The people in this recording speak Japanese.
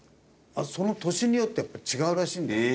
その年によってやっぱ違うらしいんですよ。